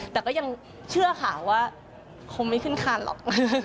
แต่ก็ยังเชื่อค่ะว่าคงไม่ขึ้นคานหรอก